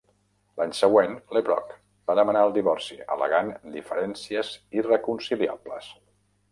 L'any següent, LeBrock va demanar el divorci, al·legant "diferències irreconciliables".